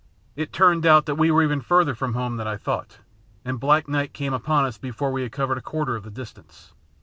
It turned out that we were even further from home than I thought, and black night came upon us before we had covered a quarter of the distance.